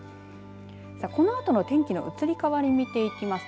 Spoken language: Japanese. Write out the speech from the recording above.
このあとの天気の移り変わりを見ていきますと